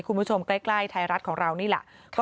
คุณผู้ชมใกล้ไทยรัฐของเรานี่แหละ